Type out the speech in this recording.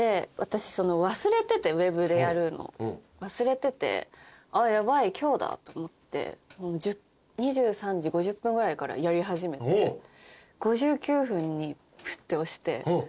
ウェブでやるのを忘れててあっヤバい今日だと思って２３時５０分ぐらいからやり始めて５９分にプッて押して。